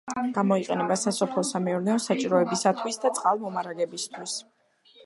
გამოიყენება სასოფლო-სამეურნეო საჭიროებისათვის და წყალმომარაგებისათვის.